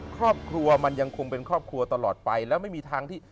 ครอบครัวมันยังคงเป็นครอบครัวตลอดไปแล้วไม่มีทางที่